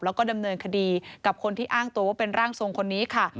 แล้วก็ดำเนินคดีกับคนที่อ้างตัวว่าเป็นร่างทรงคนนี้ค่ะ